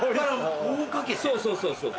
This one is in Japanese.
そうそうそうそう。